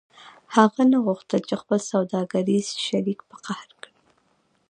هغه نه غوښتل چې خپل سوداګریز شریک په قهر کړي